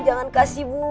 jangan kasih bu